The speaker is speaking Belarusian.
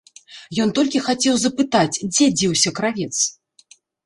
Ён толькі хацеў запытаць, дзе дзеўся кравец.